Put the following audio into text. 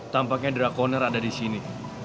tampaknya draconer ada disini